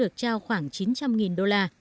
có giá ba trăm linh đô la